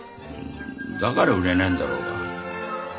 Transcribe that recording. だから売れないんだろうが。